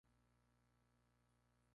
No se sabe el resultado de la apuesta.